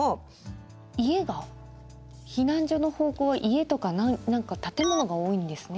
家が避難所の方向は家とか何か建物が多いんですね。